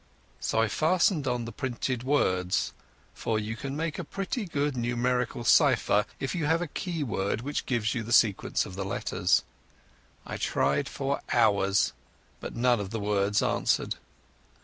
So I fastened on the printed words, for you can make a pretty good numerical cypher if you have a key word which gives you the sequence of the letters. I tried for hours, but none of the words answered.